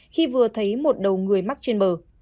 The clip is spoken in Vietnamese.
khi vừa thấy một đầu người mắc trên bờ